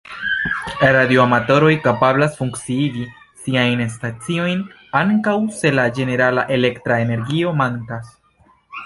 Radioamatoroj kapablas funkciigi siajn staciojn ankaŭ se la ĝenerala elektra energio mankas.